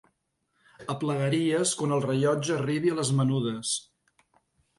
Aplegaries quan el rellotge arribi a les menudes.